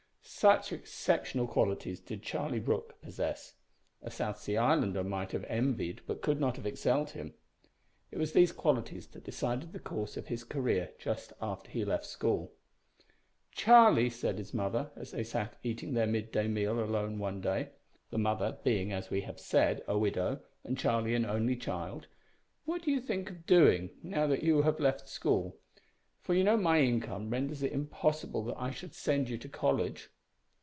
Such exceptional qualities did Charlie Brooke possess. A South Sea Islander might have envied but could not have excelled him. It was these qualities that decided the course of his career just after he left school. "Charlie," said his mother, as they sat eating their mid day meal alone one day the mother being, as we have said, a widow, and Charlie an only child "what do you think of doing, now that you have left school? for you know my income renders it impossible that I should send you to college."